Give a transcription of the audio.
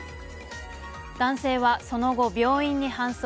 男性はその後、病院に搬送。